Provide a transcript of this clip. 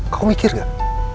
kamu mikir gak